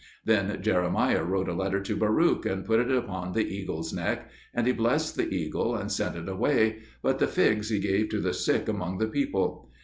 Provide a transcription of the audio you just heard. Then Jeremiah wrote a letter to Baruch, and put it upon the eagle's neck. And he blessed the eagle, and sent it away; but the figs he gave to the sick among the people.